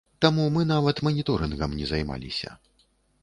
Таму мы нават маніторынгам не займаліся.